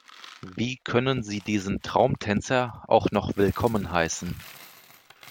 Wie können Sie diesen Traumtänzer auch noch willkommen heißen?